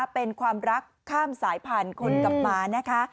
เป็นความรักข้ามสายพันธุ์คนกับหมานะคะ